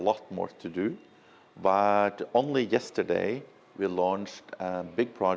là một người bạn rất tốt của chúng tôi